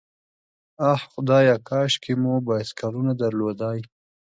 آه خدایه، کاشکې خو مو بایسکلونه درلودای.